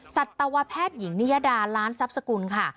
สัตวแพทย์หญิงนิยดาล้านทรัพย์สกุลค่ะ